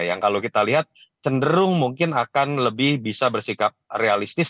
yang kalau kita lihat cenderung mungkin akan lebih bisa bersikap realistis